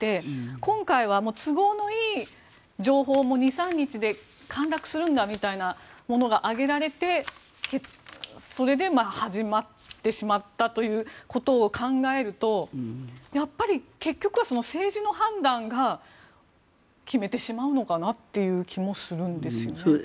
今回は都合のいい情報も２３日で陥落するんだみたいなものが上げられて、それで始まってしまったということを考えるとやっぱり結局は政治の判断が決めてしまうのかなという気もするんですよね。